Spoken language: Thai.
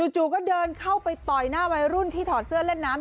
จู่ก็เดินเข้าไปต่อยหน้าวัยรุ่นที่ถอดเสื้อเล่นน้ำ